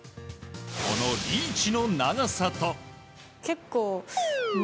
このリーチの長さと。